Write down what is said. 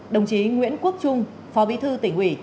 đồng chí nguyễn quốc trung phó bí thư tỉnh ủy